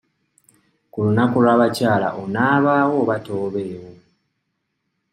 Ku lunaku lw'abakyala onaabaawo oba tobeewo?